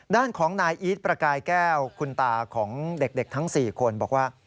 ด้านของนายอีทประกายแก้วคุณตาของเด็กทั้ง๔คนบอกว่า